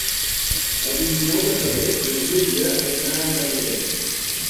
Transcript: El vint-i-nou de febrer na Júlia anirà a Cardedeu.